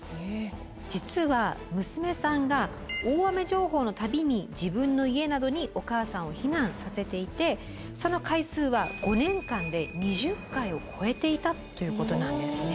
実は娘さんが大雨情報のたびに自分の家などにお母さんを避難させていてその回数は５年間で２０回を超えていたということなんですね。